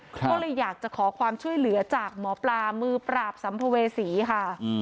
ก็เลยอยากจะขอความช่วยเหลือจากหมอปลามือปราบสัมภเวษีค่ะ